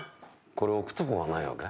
これ置くとこがないよね。